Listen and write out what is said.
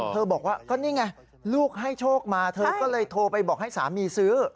บอกว่าก็นี่ไงลูกให้โชคมาเธอก็เลยโทรไปบอกให้สามีซื้อ